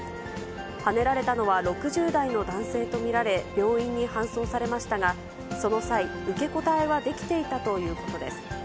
はねられたのは６０代の男性と見られ、病院に搬送されましたが、その際、受け答えはできていたということです。